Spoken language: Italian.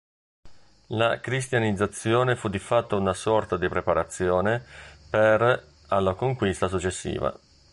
La cristianizzazione fu di fatto una sorta di preparazione per alla conquista successiva.